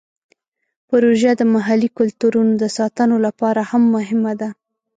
پروژه د محلي کلتورونو د ساتنې لپاره هم مهمه ده.